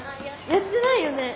やってないよね。